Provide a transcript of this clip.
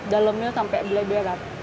dalemnya sampai bleberat